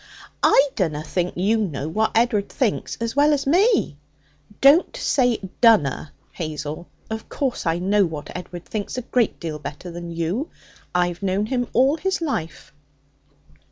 'I dunna think you know what Ed'ard thinks as well as me.' 'Don't say "dunna," Hazel. Of course, I know what Edward thinks a great deal better than you. I've known him all his life.'